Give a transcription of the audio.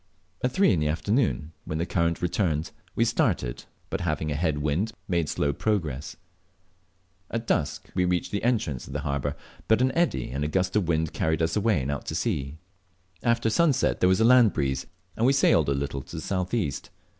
At three in the afternoon, when the current turned, we started; but having a head wind, made slow progress. At dusk we reached the entrance of the harbour, but an eddy and a gust of wind carried us away and out to sea. After sunset there was a land breeze, and we sailed a little to the south east.